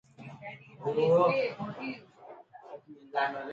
ମାଝି ଖାଲି କାନ୍ଦିଲା, କିଛି କହି ପାରିଲା ନାହିଁ ।